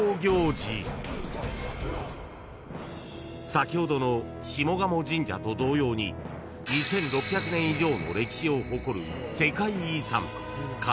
［先ほどの下鴨神社と同様に２，６００年以上の歴史を誇る］